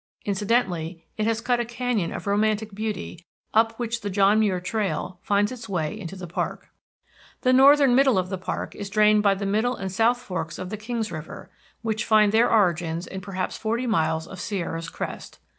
Incidentally, it has cut a canyon of romantic beauty, up which the John Muir Trail finds its way into the park. The northern middle area of the park is drained by the Middle and South Forks of the Kings River, which find their origins in perhaps forty miles of Sierra's crest.